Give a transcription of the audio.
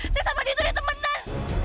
saya sama dia itu ditemenan